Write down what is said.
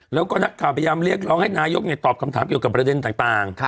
แล้วก็จะพยายามเลียกหลองให้นายกนี่ตอบกำถังเกี่ยวกับประเด็นต่างต่าง